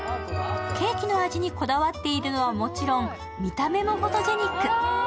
ケーキの味にごたわっているのはもちろん、見た目もフォトジェニック。